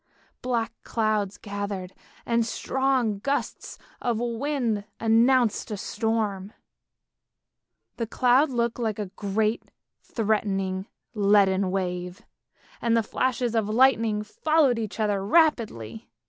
Black clouds gathered, and strong gusts of wind announced a storm; the clouds looked like a great threatening leaden wave, and the flashes of lightning followed each other rapidly.